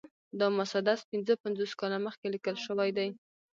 دا مسدس پنځه پنځوس کاله مخکې لیکل شوی دی.